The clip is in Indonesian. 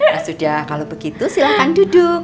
nah sudah kalo begitu silahkan duduk